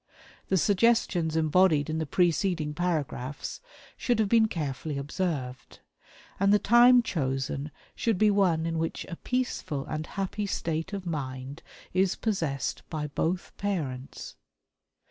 The suggestions embodied in the preceding paragraphs should have been carefully observed; and the time chosen should be one in which a peaceful and happy state of mind is possessed by both parents.